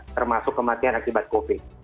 termasuk kematian akibat covid